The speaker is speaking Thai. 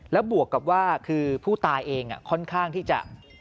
แล้วบวกกับว่าคือผู้ตายเองค่อนข้างที่จะ